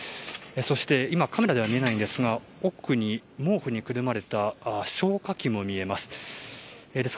そして、今、カメラでは見えないんですが奥に毛布にくるまれた消火器も見えます。